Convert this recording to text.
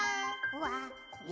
「わ！」